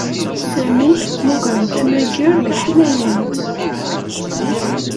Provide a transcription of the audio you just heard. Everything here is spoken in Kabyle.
Sami mmuggren-t ammager d aḥmayan.